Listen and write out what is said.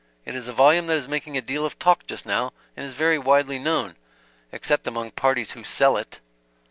It is a volume that is making a deal of talk just now, and is very widely known except among parties who sell it."